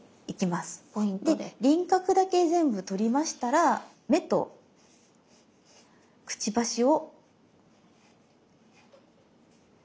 で輪郭だけ全部取りましたら目とくちばしを描き写して下さい。